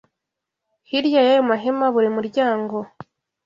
Hirya y’ayo mahema, buri muryango